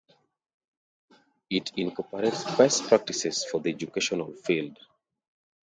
It incorporates best practices for the educational field.